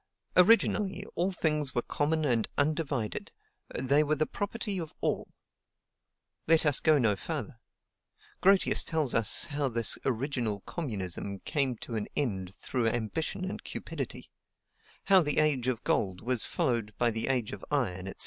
"Originally, all things were common and undivided; they were the property of all." Let us go no farther. Grotius tells us how this original communism came to an end through ambition and cupidity; how the age of gold was followed by the age of iron, &c.